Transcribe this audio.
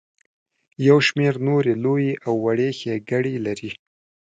یو شمیر نورې لویې او وړې ښیګړې لري.